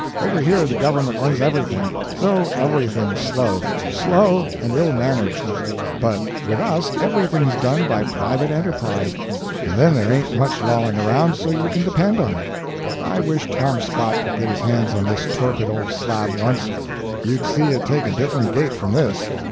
Over here the government runs everything so everything's slow; slow, and ill managed. But with us, everything's done by private enterprise and then there ain't much lolling around, you can depend on it. I wish Tom Scott could get his hands on this torpid old slab once you'd see it take a different gait from this."